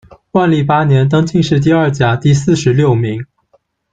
万历八年，登进士第二甲第四十六名。